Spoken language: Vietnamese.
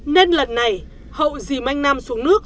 nên lần này hậu dìm anh nam xuống nước